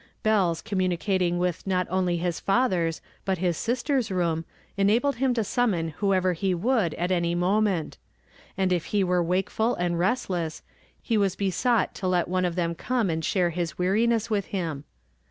Bells connnunieating with not only his father's but his sisters' room enabled him to sunnnon whoever he would at any moment; and if lie were wikeful and restless, he was bes(,u.i,ht to let one of them come and share Ins Aveariness with bim.